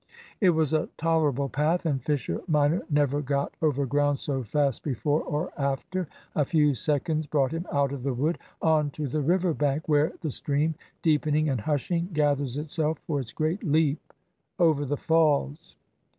It was a tolerable path, and Fisher minor never got over ground so fast before or after. A few seconds brought him out of the wood on to the river bank, where the stream, deepening and hushing, gathers itself for its great leap over the falls.